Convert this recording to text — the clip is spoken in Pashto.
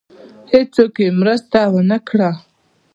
هېڅوک یې مرسته ونه کړه.